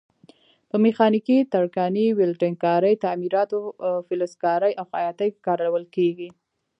په میخانیکي، ترکاڼۍ، ویلډنګ کارۍ، تعمیراتو، فلزکارۍ او خیاطۍ کې کارول کېږي.